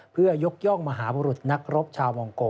เพื่อยกย่องมหาบุรุษนักรบชาวมองโก